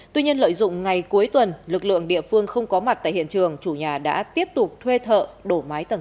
tuy nhiên lợi dụng ngày cuối tuần lực lượng địa phương không có mặt tại hiện trường chủ nhà đã tiếp tục thuê thợ đổ mái tầng hai